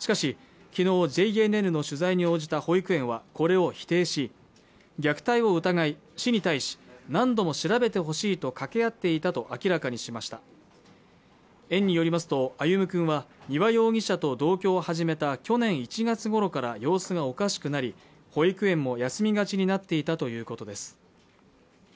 しかし昨日ＪＮＮの取材に応じた保育園はこれを否定し虐待を疑い市に対し何度も調べてほしいと掛け合っていたと明らかにしました園によりますと歩夢君は丹羽容疑者と同居を始めた去年１月頃から様子がおかしくなり保育園も休みがちになっていたということです